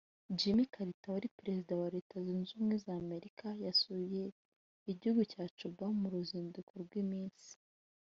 Jimmy Carter wari perezida wa Leta zunze ubumwe za Amerika yasuye igihugu cya Cuba mu ruzinduko rw’iminsi